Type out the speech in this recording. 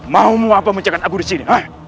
mau mu apa menjaga aku disini